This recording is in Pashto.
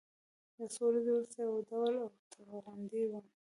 يو څو ورځې وروسته يو ډول اوتر غوندې وم.